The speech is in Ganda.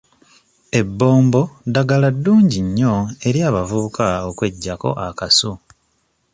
Ebbombo ddagala ddungi nnyo eri abavubuka okweggyako akasu.